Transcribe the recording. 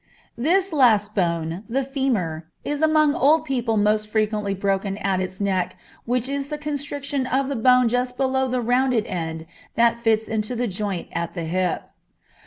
This last bone, the femur, is among old people most frequently broken at its neck, which is the constriction of the bone just below the rounded end that fits into the joint at the hip.